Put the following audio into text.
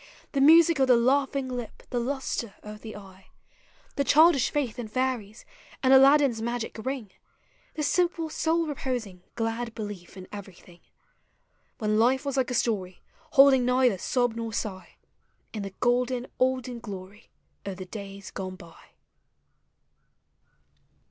The music of the laughing lip, the lustre of the eye ; The childish faith in fairies, ami Aladdin's magic ring— The simple, soul reposing, glad belief in every thing,— When life was like a story, holding neither sob nor sigh. In the golden olden glory of the days gone by.